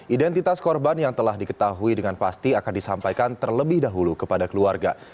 identitas korban yang telah diketahui dengan pasti akan disampaikan terlebih dahulu kepada keluarga